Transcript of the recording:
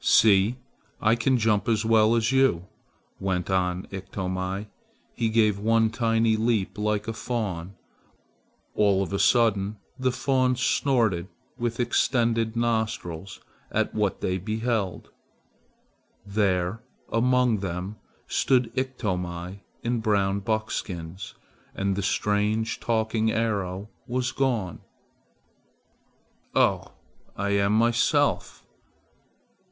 "See! I can jump as well as you!" went on Iktomi. He gave one tiny leap like a fawn. All of a sudden the fawns snorted with extended nostrils at what they beheld. There among them stood Iktomi in brown buckskins, and the strange talking arrow was gone. "Oh! I am myself.